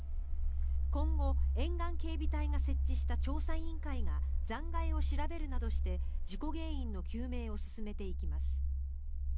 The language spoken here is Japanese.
今後、沿岸警備隊が設置した調査委員会が残骸を調べるなどして事故原因の究明を進めていきます。